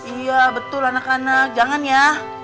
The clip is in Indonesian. iya betul anak anak jangan ya